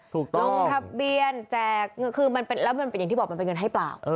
ลงทะเบียนแจกคือแล้วมันเป็นอย่างที่บอกมันเป็นเงินให้เปล่า